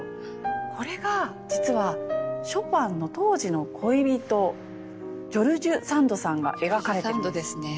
これが実はショパンの当時の恋人ジョルジュ・サンドさんが描かれている。